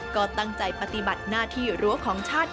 ก็ตั้งใจปฏิบัติหน้าที่รั้วของชาติ